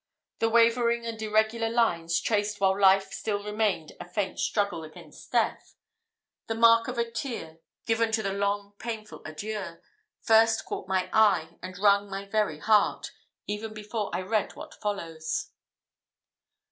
The wavering and irregular lines, traced while life still maintained a faint struggle against death; the mark of a tear, given to the long painful adieu, first caught my eye and wrung my very heart, even before I read what follows.